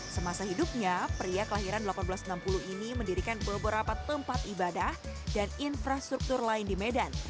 semasa hidupnya pria kelahiran seribu delapan ratus enam puluh ini mendirikan beberapa tempat ibadah dan infrastruktur lain di medan